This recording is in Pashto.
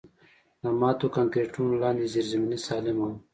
د ماتو کانکریټونو لاندې زیرزمیني سالمه وه